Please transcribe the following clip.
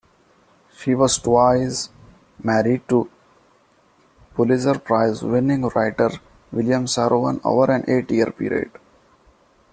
She was twice married to Pulitzer Prize-winning writer William Saroyan over an eight-year period.